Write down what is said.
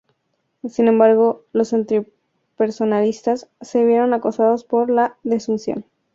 Sin embargo, los antipersonalistas se vieron acosados por la desunión.